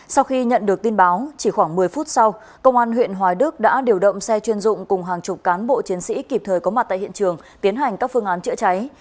sau khi nhận được tin báo chỉ khoảng một mươi phút sau công an huyện hoài đức đã điều động xe chuyên dụng cùng hàng chục cán bộ chiến sĩ kịp thời có mặt tại hiện trường tiến hành các phương án chữa cháy